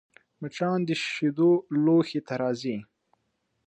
مچان د شیدو لوښي ته راځي